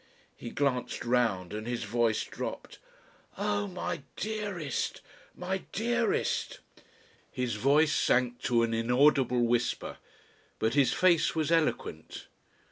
He glanced round and his voice dropped. "Oh! my dearest! my dearest!..." His voice sank to an inaudible whisper. But his face was eloquent.